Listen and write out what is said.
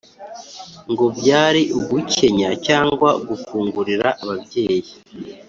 ngo byari ugukenya cyangwa gukungurira ababyeyi